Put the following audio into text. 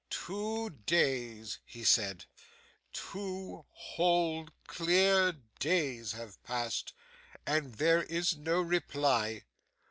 'Two days,' he said, 'two whole, clear, days have passed, and there is no reply.